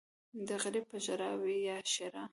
ـ د غريب يا ژړا وي يا ښېرا.